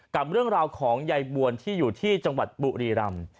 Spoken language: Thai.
กับเรื่องราวของยายบวนที่อยู่ที่จังหวัดบุรีรำ